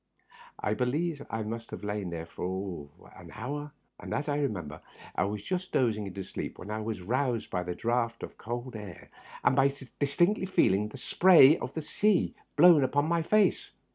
I believe I must have lain there for an hour, and, as I remember, I was just dozing into sleep when I was roused by a draught of cold air and by distinctly feeling the spray of the sea blown upon my face.